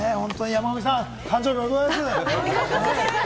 山神さん、誕生日おめでとうございます！